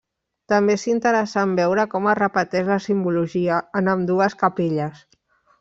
També és interessant veure com es repeteix la simbologia en ambdues capelles.